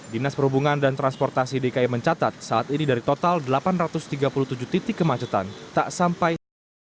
dinas perhubungan dan transportasi dki mencatat saat ini dari total delapan ratus tiga puluh tujuh titik kemacetan tak sampai